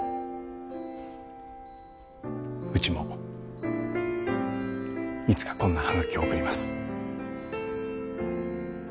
ウチもいつかこんなハガキを送ります